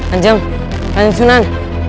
ajam kan jungsunan